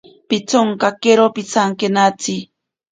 Pitsonkakero pisankenatsi.